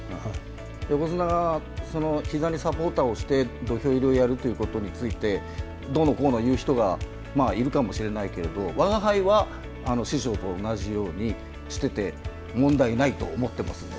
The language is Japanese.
横綱がひざにサポーターをして土俵入りをやるということについてどうのこうの言う人がいるかもしれないけどわがはいは師匠と同じようにしてて問題ないと思ってますので。